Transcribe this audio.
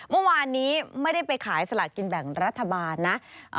เมื่อวานนี้ไม่ได้ไปขายสลากกินแบ่งรัฐบาลนะ